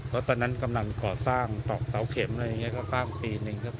ก็ตอนนั้นกำลังก่อสร้างตอกเตาเข็มอะไรอย่างเงี้ยก็สร้างปีหนึ่งก็เสร็จ